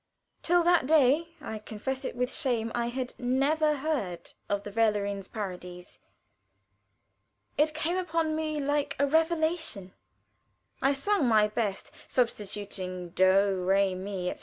Till that day I confess it with shame I had never heard of the "Verlorenes Paradies." It came upon me like a revelation. I sung my best, substituting do, re, mi, etc.